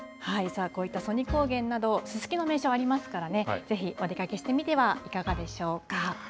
こういった曽爾高原など、すすきの名所ありますからね、ぜひお出かけしてみてはいかがでしょうか。